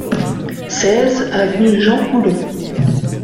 seize avenue Jean Coulon